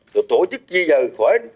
rồi tổ chức chi giời